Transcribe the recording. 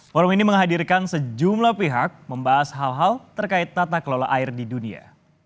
forum ini menghadirkan sejumlah pihak membahas hal hal terkait tata kelola air di dunia